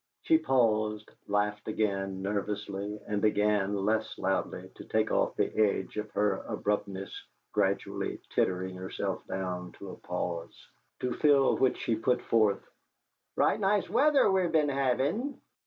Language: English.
She paused, laughed again, nervously, and again, less loudly, to take off the edge of her abruptness: gradually tittering herself down to a pause, to fill which she put forth: "Right nice weather we be'n havin'."